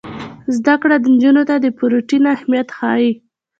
زده کړه نجونو ته د پروټین اهمیت ښيي.